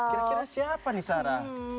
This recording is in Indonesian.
kira kira siapa nih sarah